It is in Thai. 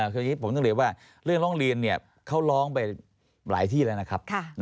คือผมต้องเรียนว่าเรื่องร้องเรียนเนี่ยเขาร้องไปหลายที่แล้วนะครับ